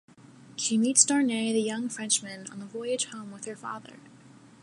She meets Darnay, the young Frenchman, on the voyage home with her father.